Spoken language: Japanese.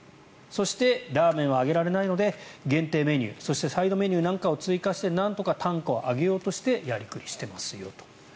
そしてラーメンは上げられないので限定メニューそしてサイドメニューなんかを追加してなんとか単価を上げようとしてやりくりしていますよと。